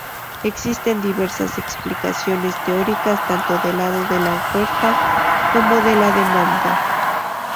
Existen diversas explicaciones teóricas tanto del lado de la oferta como de la demanda.